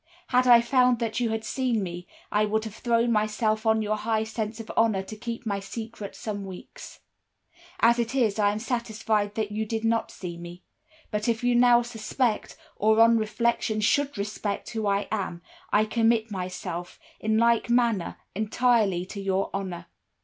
Had I found that you had seen me, I would have thrown myself on your high sense of honor to keep my secret some weeks. As it is, I am satisfied that you did not see me; but if you now suspect, or, on reflection, should suspect, who I am, I commit myself, in like manner, entirely to your honor.